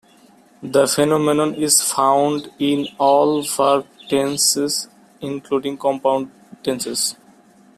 The phenomenon is found in all verb tenses, including compound tenses.